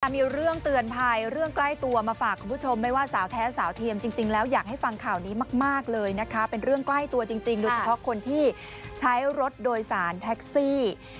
มีเรื่องเตือนภัยเรื่องใกล้ตัวมาฝากคุณผู้ชมไม่ว่าสาวแท้สาวเทียมจริงแล้วอยากให้ฟังข่าวนี้มากเลยนะคะเป็นเรื่องใกล้ตัวจริงโดยเฉพาะคนที่ใช้รถโดยสารแท็กซี่